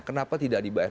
kenapa tidak dibayar